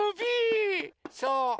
そう！